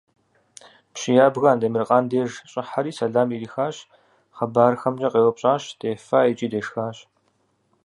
Пщы ябгэ Андемыркъан деж щӀыхьэри сэлам ирихащ хъыбархэмкӀэ къеупщӀащ дефащ икӀи дешхащ.